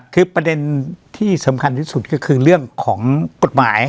คือประเด็นที่สำคัญที่สุดก็คือเรื่องของกฎหมาย